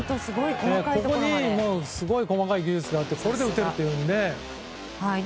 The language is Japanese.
ここにすごい細かい技術があってこれで打てるというので。